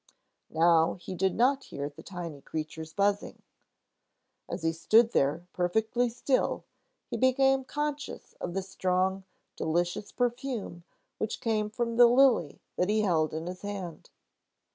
Now he did not hear the tiny creature's buzzing. As he stood there, perfectly still, he became conscious of the strong, delicious perfume which came from the lily that he held in his hand.